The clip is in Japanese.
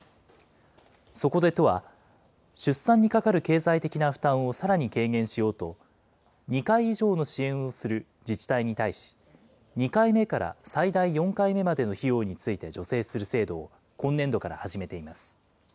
そこで都は、出産にかかる経済的な負担をさらに軽減しようと、２回以上の支援をする自治体に対し、２回目から最大４回目までの費用について助成する制度を、今年度から始めています。